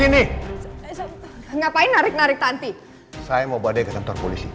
nanti semua nyari